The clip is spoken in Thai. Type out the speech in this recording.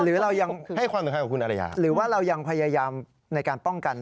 ให้ความสำคัญของคุณอารยาหรือว่าเรายังพยายามในการป้องกัน